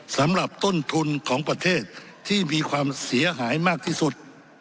สำหรับต้นทุนของประเทศที่มีความเสียหายมากที่สุด